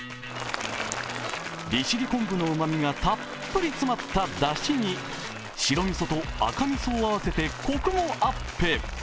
利尻昆布のうまみがたっぷり詰まっただしに白みそと赤みそを合わせてコクもアップ。